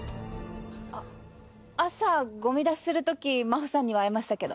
朝ゴミ出しするとき、真帆さんには会いましたけど。